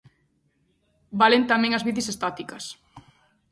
Valen tamén as bicis estáticas...